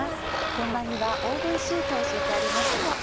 天板にはオーブンシートを敷いてあります。